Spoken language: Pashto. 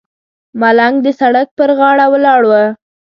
ملنګ د سړک پر غاړه ولاړ و.